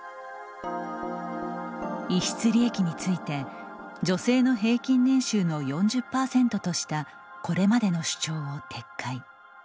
逸失利益について女性の平均年収の４０％としたこれまでの主張を撤回。